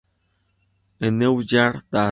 En "New Year Dash!!